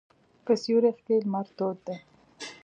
په سیوري کښېنه، لمر تود دی.